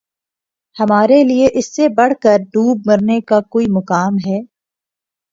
ہمارے لیے اس سے بڑھ کر دوب مرنے کا کوئی مقام ہے